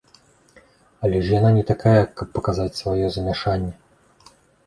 Але ж яна не такая, каб паказаць сваё замяшанне.